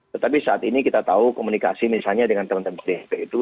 tetapi saat ini kita tahu komunikasi misalnya dengan teman teman pdip itu